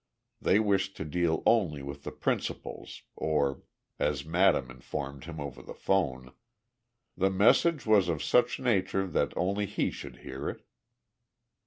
They wished to deal only with principals or, as madame informed him over the phone, "the message was of such a nature that only he should hear it."